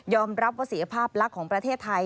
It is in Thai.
ยอมรับประสิทธิภาพลักษณ์ของประเทศไทย